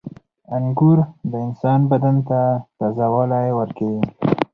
• انګور د انسان بدن ته تازهوالی ورکوي.